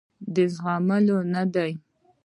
د زغملو نه دي.